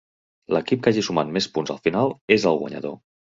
L'equip que hagi sumat més punts al final és el guanyador.